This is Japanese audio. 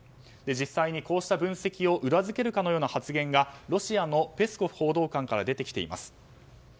実際にこうした分析を裏付けるような発言がロシアのペスコフ報道官から出てきています。